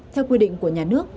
theo quy định của nhà nước